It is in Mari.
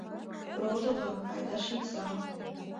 Родо-влак, айда шичса.